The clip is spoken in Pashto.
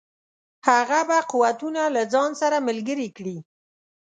هغه به قوتونه له ځان سره ملګري کړي.